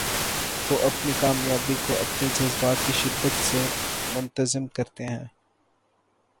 وہ اپنی کامیابی کو اپنے جذبات کی شدت سے منتظم کرتے ہیں۔